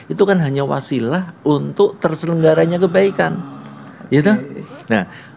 itu kan hanya wasilah untuk terselenggaranya kebaikan